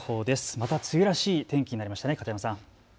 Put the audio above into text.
また梅雨らしい天気になりましたね。